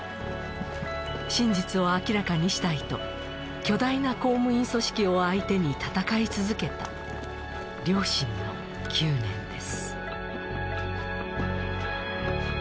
真実を明らかにしたいと巨大な公務員組織を相手に戦い続けた両親の９年です